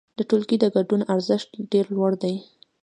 د ټولګي د ګډون ارزښت ډېر لوړ دی.